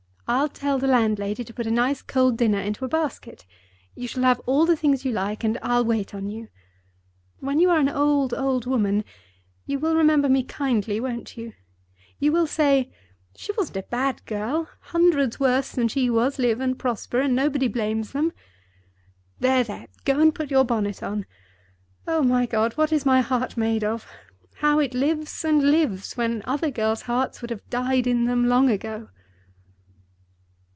I'll tell the landlady to put a nice cold dinner into a basket. You shall have all the things you like, and I'll wait on you. When you are an old, old woman, you will remember me kindly, won't you? You will say: 'She wasn't a bad girl; hundreds worse than she was live and prosper, and nobody blames them.' There! there! go and put your bonnet on. Oh, my God, what is my heart made of! How it lives and lives, when other girls' hearts would have died in them long ago!"